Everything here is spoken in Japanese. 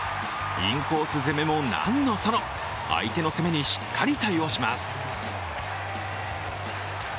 インコース攻めも何のその、相手の攻めにしっかり対応します。